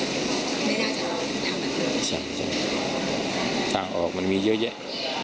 ด้านออกมันมีเยอะแยะ